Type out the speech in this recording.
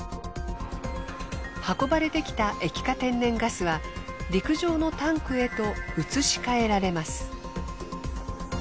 運ばれてきた液化天然ガスは陸上のタンクへと移し替えられます。